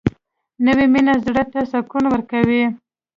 نوې مینه زړه ته سکون ورکوي